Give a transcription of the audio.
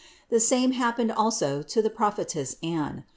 The same hap pened also to the prophetess Anne.